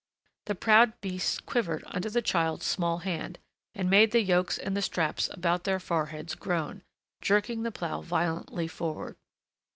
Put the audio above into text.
The proud beasts quivered under the child's small hand, and made the yokes and the straps about their foreheads groan, jerking the plough violently forward.